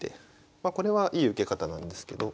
まあこれはいい受け方なんですけど。